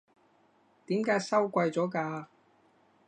點解收貴咗㗎？